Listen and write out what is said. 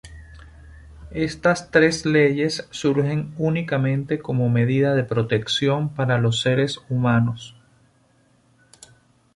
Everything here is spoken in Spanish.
Estas tres leyes surgen únicamente como medida de protección para los seres humanos.